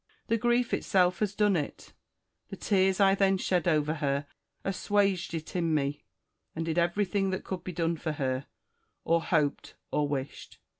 The grief itself has done it : the tears I then shed over her assuaged it in me, and did everything that could be done for her, or hoped, or wished.